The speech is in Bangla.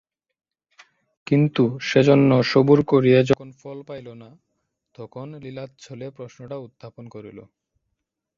কিন্তু সেজন্য সবুর করিয়া যখন ফল পাইল না, তখন লীলাচ্ছলে প্রশ্নটা উত্থাপন করিল।